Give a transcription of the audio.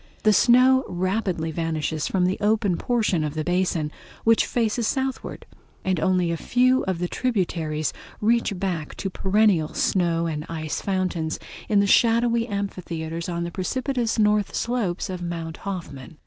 The snow rapidly vanishes from the open portion of the basin, which faces southward, and only a few of the tributaries reach back to perennial snow and ice fountains in the shadowy amphitheaters on the precipitous northern slopes of Mount Hoffman.